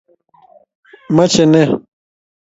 Mache nee?